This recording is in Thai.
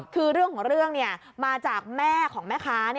คือเรื่องของเรื่องมาจากแม่ของแม่ค้า